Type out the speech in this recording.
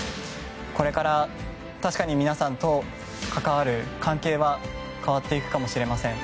これから確かに皆さんと関わる関係は変わっていくかもしれません。